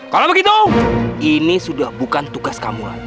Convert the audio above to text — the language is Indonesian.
kalau begitu ini sudah bukan tugas kamu lah